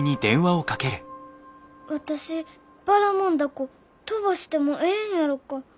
私ばらもん凧飛ばしてもええんやろか？